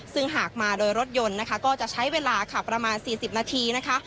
ซึ่งหากมาโดยรถยนต์นะคะก็จะใช้เวลาขับประมาณ๔๐นาทีนะคะ